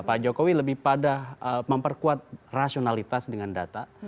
pak jokowi lebih pada memperkuat rasionalitas dengan data